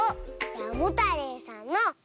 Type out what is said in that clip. モタレイさんの「モ」！